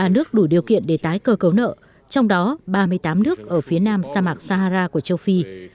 ba nước đủ điều kiện để tái cơ cấu nợ trong đó ba mươi tám nước ở phía nam sa mạc sahara của châu phi